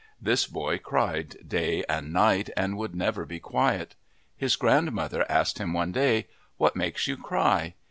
This boy cried day and night and would never be quiet. His grandmother asked him one day, "What makes you cry?'